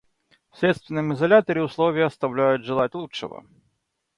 В следственном изоляторе условия оставляют желать лучшего.